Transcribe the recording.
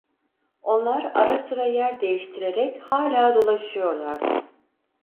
Onlar ara sıra yer değiştirerek hâlâ dolaşıyorlardı.